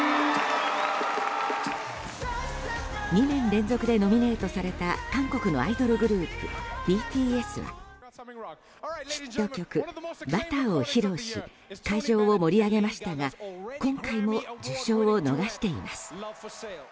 ２年連続でノミネートされた韓国のアイドルグループＢＴＳはヒット曲「Ｂｕｔｔｅｒ」を披露し会場を盛り上げましたが今回も受賞を逃しています。